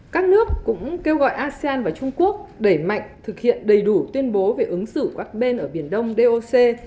các nước cũng kêu gọi asean và trung quốc đẩy mạnh thực hiện đầy đủ tuyên bố về ứng xử các bên ở biển đông doc